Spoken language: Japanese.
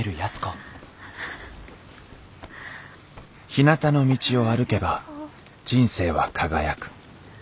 「ひなたの道を歩けば人生は輝く」。